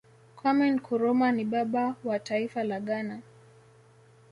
kwame nkrumah ni baba wa taifa la ghana